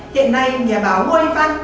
hiện nay nhà báo ngôi văn